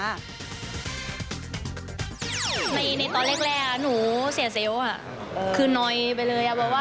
ในตอนแรกหนูเสียเซลล์คือนอยไปเลย